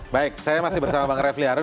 baik saya masih bersama bang refli harun